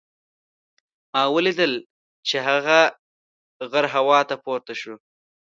ما ولیدل چې هغه غر هوا ته پورته شو.